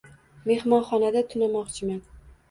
Mehmonxonada tunamoqchiman